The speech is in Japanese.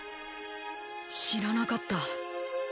知らなかった。